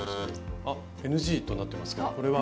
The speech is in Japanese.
あＮＧとなってますけどこれは？